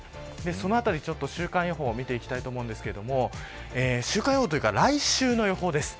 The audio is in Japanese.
そのあたり、週間予報を見ていきたいと思うんですけど週間予報というか来週の予報です。